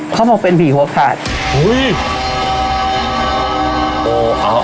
เขาบอกเป็นผีหัวขาดอุ้ย